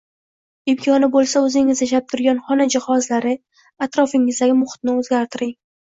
Imkoni bo`lsa, o`zingiz yashab turgan xona jihozlari, atrofingizdagi muhitni o`zgartiring